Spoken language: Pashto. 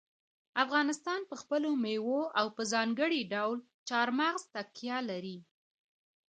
افغانستان په خپلو مېوو او په ځانګړي ډول چار مغز تکیه لري.